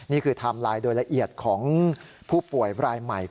ไทม์ไลน์โดยละเอียดของผู้ป่วยรายใหม่